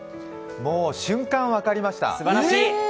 瞬間分かりました。